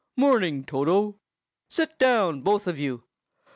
"Morning, Toto! Sit down, both of you.